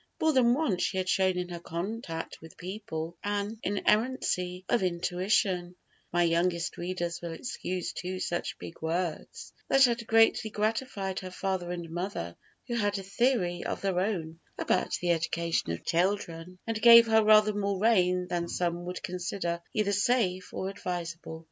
More than once she had shown in her contact with people an inerrancy of intuition (if my youngest readers will excuse two such big words) that had greatly gratified her father and mother, who had a theory of their own about the education of children, and gave her rather more rein than some would consider either safe or advisable.